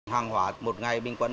hàng hóa một ngày bình quân